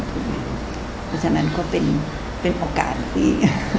เพราะฉะนั้นก็เป็นโอกาสที่